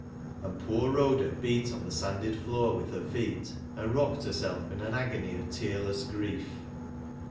And poor Rhoda beat on the sanded floor with her feet, and rocked herself in an agony of tearless grief.